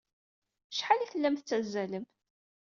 Acḥal ay tellam tettazzalem?